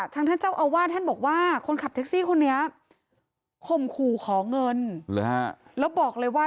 ท่านเจ้าอาวาสท่านบอกว่าคนขับแท็กซี่คนนี้ข่มขู่ขอเงินแล้วบอกเลยว่า